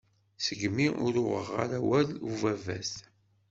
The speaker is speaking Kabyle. Seg-mi ur uɣeɣ awal ubabat.